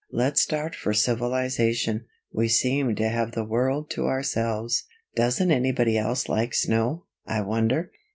Let's start for civilization we seem to have the world to ourselves. Doesn't anybody else like snow, I wonder?"